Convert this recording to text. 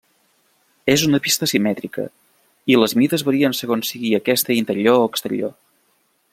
És una pista simètrica, i les mides varien segons sigui aquesta interior o exterior.